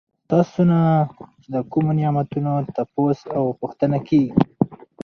ستاسو نه چې د کومو نعمتونو تپوس او پوښتنه کيږي